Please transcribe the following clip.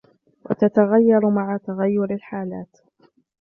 وَتَتَغَيَّرُ مَعَ تَغَيُّرِ الْحَالَاتِ